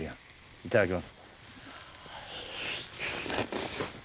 いただきます。